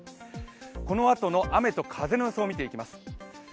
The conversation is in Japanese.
このあとの雨と風の予想を見ていきます。